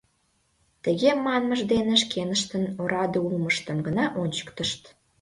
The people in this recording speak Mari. Тыге манмышт дене шкеныштын ораде улмыштым гына ончыктышт.